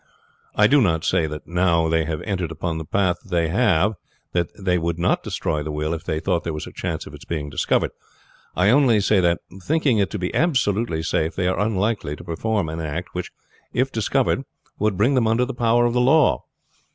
I do not say that now they have entered upon the path they have that they would not destroy the will if they thought there was a chance of its being discovered. I only say that, thinking it to be absolutely safe, they are unlikely to perform an act which, if discovered, would bring them under the power of the law.